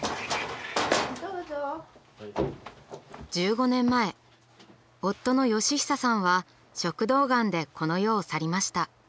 １５年前夫の嘉久さんは食道がんでこの世を去りました。